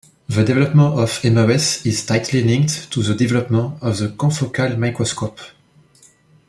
The development of Imaris is tightly linked to the development of the confocal microscope.